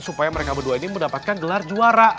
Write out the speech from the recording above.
supaya mereka berdua ini mendapatkan gelar juara